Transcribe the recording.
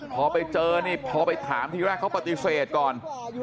พอไปเจอนี่พอไปถามทีแรกเขาปฏิเสธก่อน